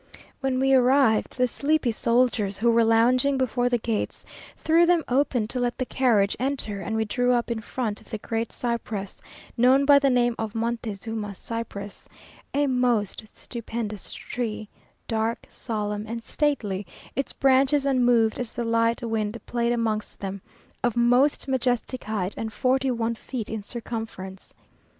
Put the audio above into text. When we arrived, the sleepy soldiers, who were lounging before the gates, threw them open to let the carriage enter, and we drew up in front of the great cypress, known by the name of "Montezuma's Cypress," a most stupendous tree dark, solemn, and stately, its branches unmoved as the light wind played amongst them, of most majestic height, and forty one feet in circumference.